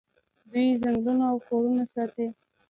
دوی ځنګلونه او کورونه ساتي.